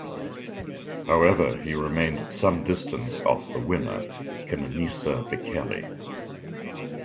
However, he remained some distance off the winner Kenenisa Bekele.